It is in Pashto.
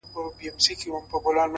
د حقیقت رڼا پټه نه پاتې کېږي’